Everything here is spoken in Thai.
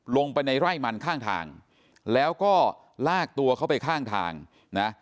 ลงไปในไร่มันข้างทางแล้วก็ลากตัวเข้าไปข้างทางนะ